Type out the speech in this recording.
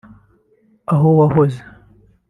aho wahoze